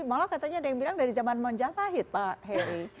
malah katanya ada yang bilang dari zaman majapahit pak heri